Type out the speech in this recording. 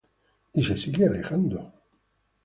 Y se sigue alejando.